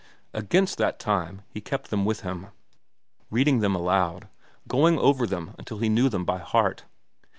Against that time he kept them with him, reading them aloud, going over them until he knew them by heart.